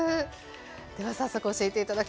では早速教えて頂きます。